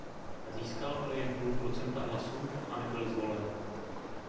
Získal ale jen půl procenta hlasů a nebyl zvolen.